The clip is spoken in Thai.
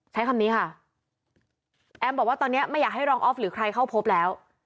ใช้คำนี้ค่ะแอมบอกว่าตอนนี้ไม่อยากให้รองออฟหรือใครเข้าพบแล้ว